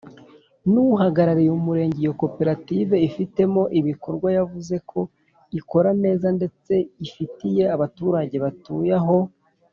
n Uhagarariye Umurenge iyo Koperative ifitemo ibikorwa yavuzeko ikora neza ndetse ifitiye abaturage batuye aho.